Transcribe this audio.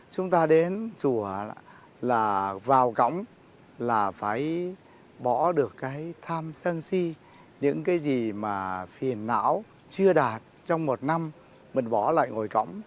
chúng ta đến chùa là vào cổng là phải bỏ được cái tham sân si những cái gì mà phiền não chưa đạt trong một năm mình bỏ lại ngồi cổng